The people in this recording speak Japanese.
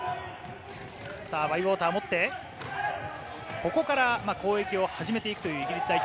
バイウォーター持って、ここから攻撃を始めていくというイギリス代表。